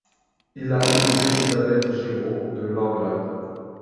Il a épousé Isabelle Girot de Langlade.